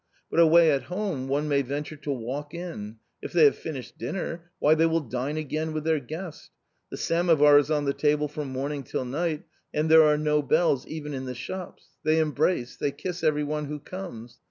But away at home one may venture to walk in ; if they have finished dinner, why they will dine again with their guest ; the samovar is on the table from morning till night, and there are no bells even in the shops. They embrace, they kiss every one who comes.